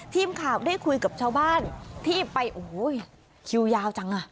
ทีมข่าวได้คุยกับชาวบ้านที่ไปโอ้โหคิวยาวจังอ่ะ